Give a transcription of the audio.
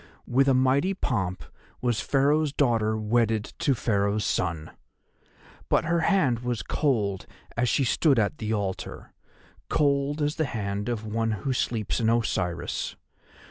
With a mighty pomp was Pharaoh's daughter wedded to Pharaoh's son. But her hand was cold as she stood at the altar, cold as the hand of one who sleeps in Osiris.